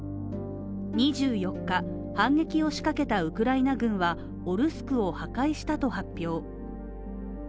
２４日、反撃を仕掛けたウクライナ軍は「オルスク」を破壊したと発表。